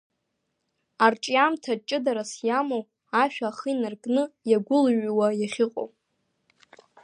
Арҿиамҭа ҷыдарас иамоуп ашәа ахы инаркны иагәылҩҩуа иахьыҟоу.